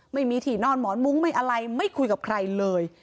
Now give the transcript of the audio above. ไม่มีที่นอนหมอนมุ้งไม่อะไรไม่คุยกับใครเลย